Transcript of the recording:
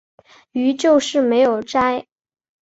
於是就没有摘